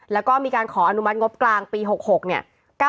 แล้วก็มีการขออนุมัติงบกลางปี๖๖เนี่ย